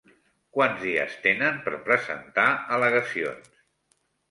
Quants dies tenen per presentar al·legacions?